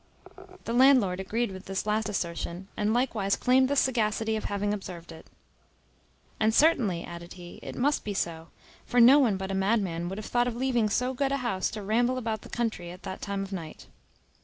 The landlord agreed with this last assertion, and likewise claimed the sagacity of having observed it. "And certainly," added he, "it must be so; for no one but a madman would have thought of leaving so good a house to ramble about the country at that time of night."